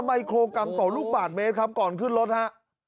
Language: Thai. ไมโครกรัมต่อลูกบาทเมตรครับก่อนขึ้นรถฮะ